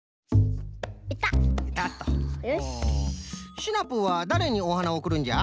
シナプーはだれにおはなをおくるんじゃ？